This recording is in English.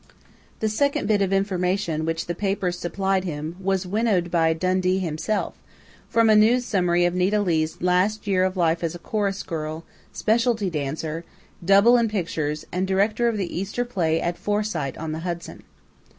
The second bit of information which the papers supplied him was winnowed by Dundee himself, from a news summary of Nita Leigh's last year of life as chorus girl, specialty dancer, "double" in pictures, and director of the Easter play at Forsyte on the Hudson.